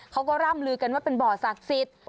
เขาก็ร่ำลือกันว่าเป็นบ่อศักดิ์สิทธิ์